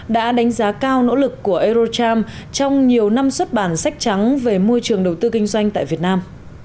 đã đánh giá cao nỗ lực của eurocharm trong nhiều năm xuất bản sách trắng về môi trường đầu tư kinh doanh tại việt nam